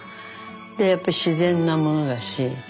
でやっぱ自然なものだし。